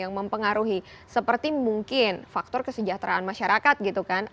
yang mempengaruhi seperti mungkin faktor kesejahteraan masyarakat gitu kan